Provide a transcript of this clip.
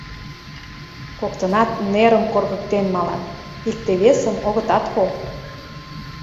Коктынат нерым коргыктен малат, икте-весым огытат кол.